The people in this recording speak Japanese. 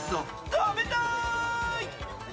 食べたーい。